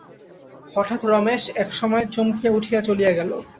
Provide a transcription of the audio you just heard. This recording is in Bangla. হঠাৎ রমেশ এক সময় চমকিয়া উঠিয়া চলিয়া গেল।